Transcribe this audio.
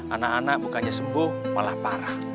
anak anak bukannya sembuh malah parah